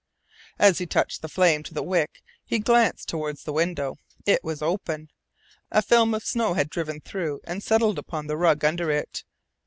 As he touched the flame to the wick he glanced toward the window. It was open. A film of snow had driven through and settled upon the rug under it.